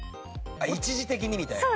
一時的にみたいな？